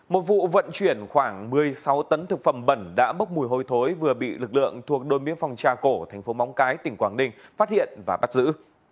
một vụ vận chuyển khoảng một mươi sáu tấn thực phẩm bẩn đã bốc mùi hôi thối vừa bị lực lượng thuộc đôi miếng phòng trà cổ thành phố móng cái tỉnh quảng ninh phát hiện và bắt giữ